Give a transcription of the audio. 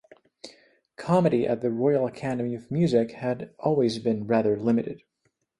Comedy at the Royal Academy of Music had always been rather limited.